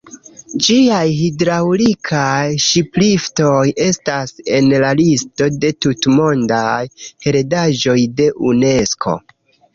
Ĝiaj hidraŭlikaj ŝipliftoj estas en la listo de tutmondaj heredaĵoj de Unesko.